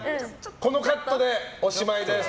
このカットでおしまいです。